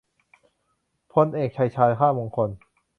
พลเอก ชัยชาญ ช้างมงคล